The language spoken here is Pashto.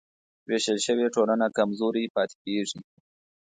وېشل شوې ټولنه کمزورې پاتې کېږي.